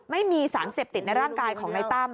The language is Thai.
ไม่มีสารเสพติดในร่างกายของในตั้ม